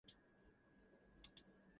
It has high qualified teaching staff.